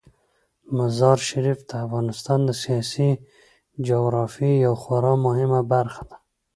مزارشریف د افغانستان د سیاسي جغرافیې یوه خورا مهمه برخه ده.